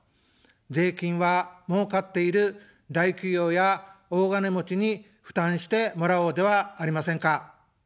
税金はもうかっている大企業や大金持ちに負担してもらおうではありませんか。